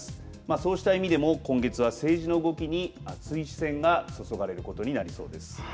そうした意味でも今月は政治の動きに熱い視線が注がれることになりそうです。